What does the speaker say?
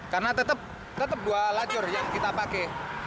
karena tetap dua lajur yang kita pakai